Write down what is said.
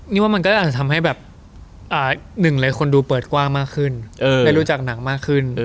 นี่ว่ามันก็อาจจะทำให้แบบหนึ่งเลยคนดูเปิดกว้างมากขึ้นได้รู้จักหนังมากขึ้น